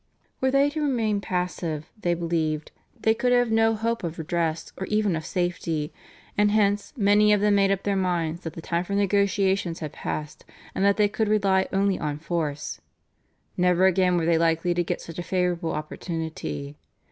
Were they to remain passive, they believed, they could have no hope of redress or even of safety, and hence many of them made up their minds that the time for negotiations had passed, and that they could rely only on force. Never again were they likely to get such a favourable opportunity.